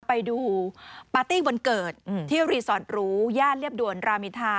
ไปดูปาร์ตี้วันเกิดที่รีสอร์ตหรูย่านเรียบด่วนรามิทา